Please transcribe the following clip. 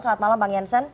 selamat malam bang janssen